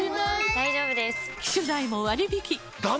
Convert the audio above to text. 大丈夫です！